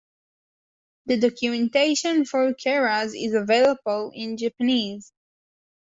The documentation for Keras is available in Japanese.